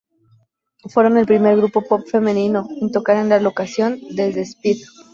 Fueron el primer grupo pop femenino en tocar en esta locación desde Speed.